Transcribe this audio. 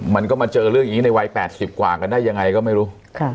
มันก็มาเจอเรื่องอย่างนี้ในวัย๘๐กว่ากันได้ยังไงก็ไม่รู้